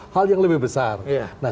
hal yang lebih besar nah